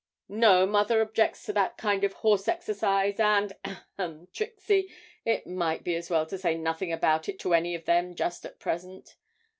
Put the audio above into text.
'No; mother objects to that kind of horse exercise, and, ahem, Trixie, it might be as well to say nothing about it to any of them just at present.